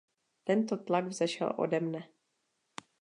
Tento tlak vzešel ode mne.